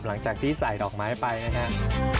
หลังจากที่ใส่ดอกไม้ไปนะครับ